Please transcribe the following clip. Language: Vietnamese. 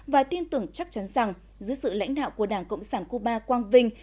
và tin tưởng chắc chắn rằng dưới sự lãnh đạo của đảng cộng sản cuba quang vinh